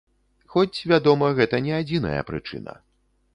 Хоць, вядома, гэта не адзіная прычына.